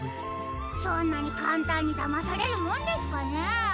そんなにかんたんにだまされるもんですかねえ？